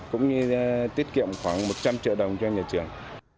cũng như tiết kiệm khoảng một trăm linh triệu đồng cho nhà trường